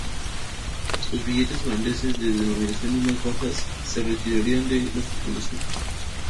Los billetes holandeses de denominaciones más bajas se retirarían de la circulación.